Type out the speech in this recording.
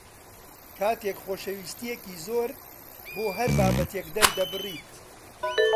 کاتێک خۆشەویستییەکی زۆر بۆ هەر بابەتێک دەردەبڕیت